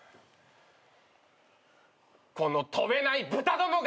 この飛べない豚どもが！